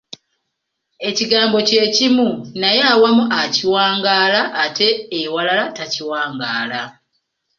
Ekigambo kye kimu naye awamu akiwangaala ate ewalala takiwangaala.